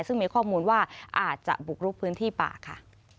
ซึ่งมีข้อมูลว่าอาจจะบุกลุกพื้นที่ป่าค่ะ